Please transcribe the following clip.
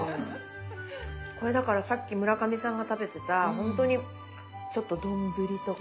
これだからさっき村上さんが食べてたほんとにちょっと丼とか。